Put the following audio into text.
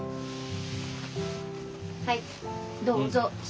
はいどうぞ。